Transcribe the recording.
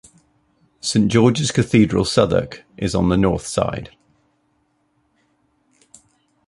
Saint George's Cathedral Southwark is on the north side.